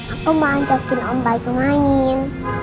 aku mau ajakin om baik pemain